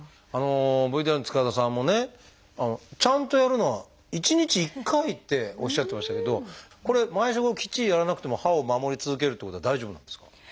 ＶＴＲの塚田さんもねちゃんとやるのは１日１回っておっしゃってましたけどこれ毎食後きっちりやらなくても歯を守り続けるってことは大丈夫なんですか？